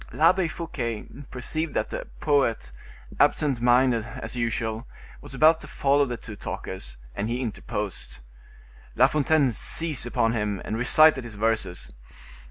L'Abbe Fouquet perceived that the poet, absent minded, as usual, was about to follow the two talkers; and he interposed. La Fontaine seized upon him, and recited his verses.